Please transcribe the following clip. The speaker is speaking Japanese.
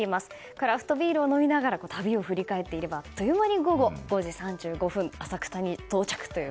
クラフトビールを飲みながら旅を振り返っていればあっという間に午後５時３５分浅草に到着という。